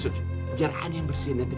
suci biar ada yang bersihin nanti